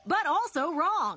そう。